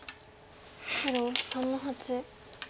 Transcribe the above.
白３の八。